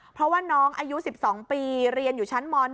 เพราะว่าน้องอายุ๑๒ปีเรียนอยู่ชั้นม๑